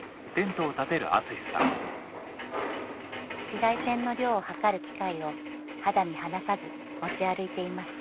紫外線の量を測る機械を肌身離さず持ち歩いています